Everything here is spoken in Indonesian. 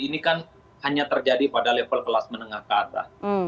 ini kan hanya terjadi pada level kelas menengah ke atas